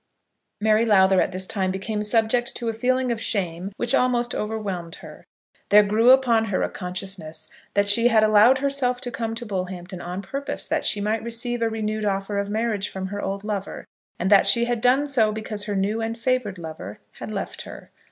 Mary Lowther at this time became subject to a feeling of shame which almost overwhelmed her. There grew upon her a consciousness that she had allowed herself to come to Bullhampton on purpose that she might receive a renewed offer of marriage from her old lover, and that she had done so because her new and favoured lover had left her.